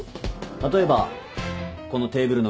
例えばこのテーブルの上。